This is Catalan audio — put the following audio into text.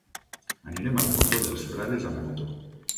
Anirem al Fondó dels Frares amb moto.